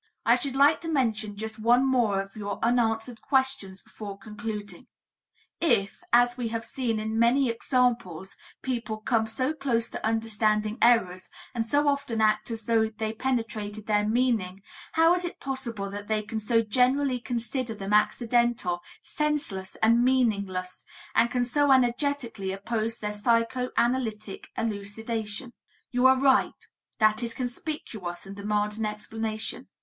I should like to mention just one more of your unanswered questions before concluding: "If, as we have seen in many examples, people come so close to understanding errors and so often act as though they penetrated their meaning, how is it possible that they can so generally consider them accidental, senseless and meaningless, and can so energetically oppose their psychoanalytic elucidation?" You are right; that is conspicuous and demands an explanation.